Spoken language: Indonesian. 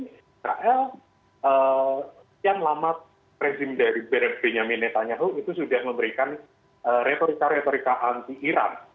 israel sekian lama rezim dari bernyami netanyahu itu sudah memberikan retorika retorika anti iran